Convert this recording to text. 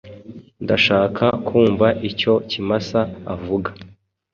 Ndashaka kumva icyo Kimasa avuga.